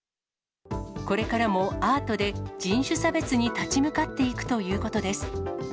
これからもアートで、人種差別に立ち向かっていくということです。